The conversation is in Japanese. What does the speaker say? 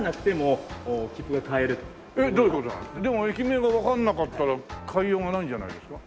でも駅名がわかんなかったら買いようがないんじゃないですか？